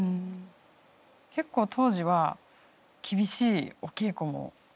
結構当時は厳しいお稽古も。